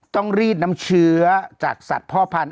ต้องรีดน้ำเชื้อจากสัตว์เพาะพันธุ์